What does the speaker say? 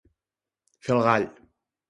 Fer el gall.